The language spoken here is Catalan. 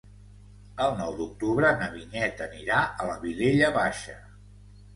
El nou d'octubre na Vinyet anirà a la Vilella Baixa.